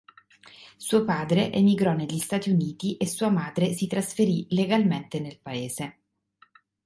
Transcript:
Suo padre emigrò negli Stati Uniti e sua madre si trasferì legalmente nel paese.